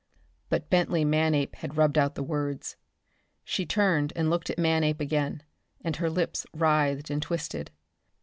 But Bentley Manape had rubbed out the words. She turned and looked at Manape again, and her lips writhed and twisted.